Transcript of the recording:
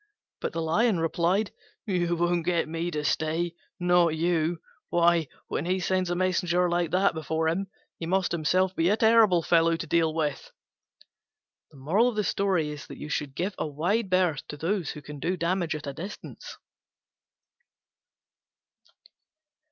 But the Lion replied, "You won't get me to stay, not you: why, when he sends a messenger like that before him, he must himself be a terrible fellow to deal with." Give a wide berth to those who can do damage at a distance.